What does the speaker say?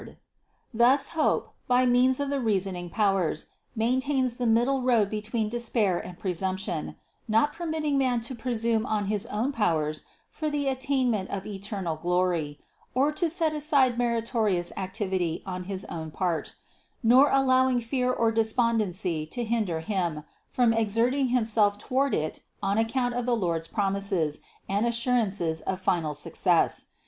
389 390 CITY OF GOD Thus hope, by means of the reasoning powers, maintains the middle road between despair and presumption, not per mitting man to presume on his own powers for the at tainment of eternal glory or to set aside meritorious activ ity on his own part, nor allowing fear or despondency to hinder Him from exerting himself toward it on account of the Lord's promises and assurances of final success.